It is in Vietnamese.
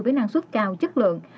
với năng suất cao chất lượng